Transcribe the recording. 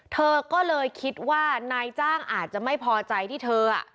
เธอก็เลยคิดว่านายจ้างอาจจะไม่พอใจที่เธอ